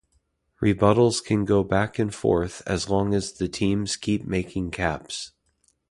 Rebuttals can go back and forth as long as the teams keep making caps.